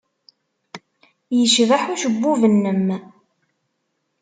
Yecbeḥ ucebbub-nnem.